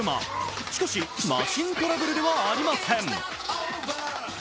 しかし、マシントラブルではありません。